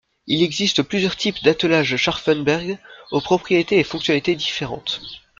Il existe plusieurs types d'attelages Scharfenberg, aux propriétés et fonctionnalités différentes.